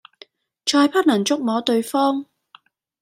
再不能觸摸對方